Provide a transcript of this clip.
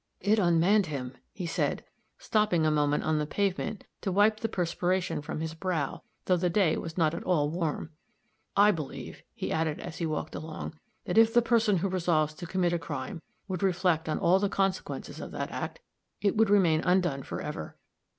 "It unmanned him," he said, stopping a moment on the pavement to wipe the perspiration from his brow, though the day was not at all warm. "I believe," he added, as he walked along, "that if the person who resolves to commit a crime would reflect on all the consequences of that act, it would remain undone for ever.